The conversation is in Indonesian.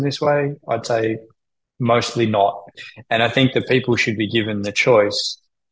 dan saya pikir orang orang harus diberi pilihan